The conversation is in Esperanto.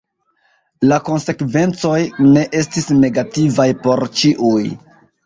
La konsekvencoj ne estis negativaj por ĉiuj.